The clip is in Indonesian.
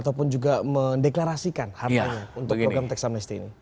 ataupun juga mendeklarasikan harganya untuk program tax amnesty ini